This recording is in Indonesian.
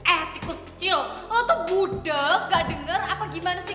eh tikus kecil lo tuh buda gak denger apa gimana sih